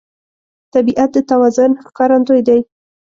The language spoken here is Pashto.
طبیعت د توازن ښکارندوی دی.